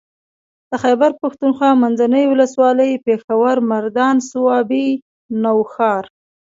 د خېبر پښتونخوا منځنۍ ولسوالۍ پېښور مردان صوابۍ نوښار